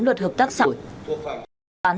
lượt hợp tác sẵn